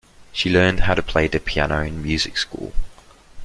She learned how to play the piano in music school.